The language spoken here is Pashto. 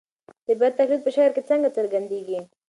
د طبیعت تقلید په شعر کې څنګه څرګندېږي؟